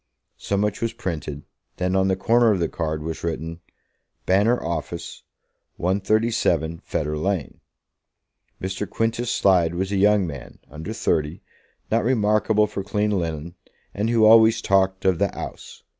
So much was printed. Then, on the corner of the card was written, "Banner Office, 137, Fetter Lane." Mr. Quintus Slide was a young man, under thirty, not remarkable for clean linen, and who always talked of the "'Ouse."